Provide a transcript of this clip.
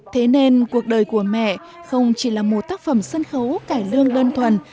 thế nên cuộc đời của mẹ không chỉ là một tác phẩm sân khấu cải lương đơn thuần